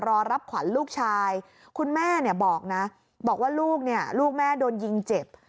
รอรับขวัญลูกชายคุณแม่เนี่ยบอกนะบอกว่าลูกเนี่ยลูกแม่โดนยิงเจ็บ